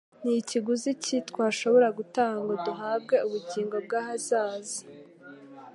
Ni kiguzi ki twashobora gutanga ngo duhabwe ubugingo bw'ahazaza ?